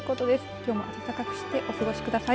きょうも温かくしてお過ごしください。